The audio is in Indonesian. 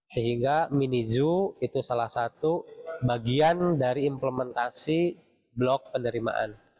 sehingga mini zoo itu salah satu bagian dari implementasi blok penerimaan